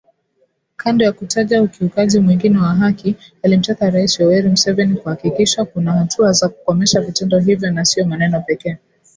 kando ya kutaja ukiukaji mwingine wa haki, alimtaka Rais Yoweri Museveni kuhakikisha kuna hatua za kukomesha vitendo hivyo na sio maneno pekee